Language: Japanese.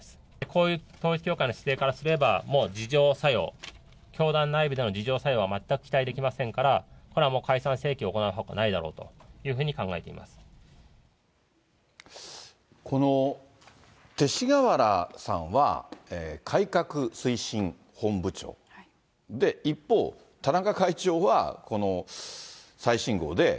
こういう統一教会の姿勢からすれば、もう自浄作用、教団内部での自浄作用は全く期待できませんから、これはもう解散請求を行うほかないだろうというふうに考えていまこの勅使河原さんは、改革推進本部長、一方、田中会長は、この最新号で。